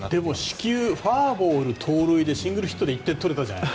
四球、ファウルボールシングルヒットで１点取れたじゃない。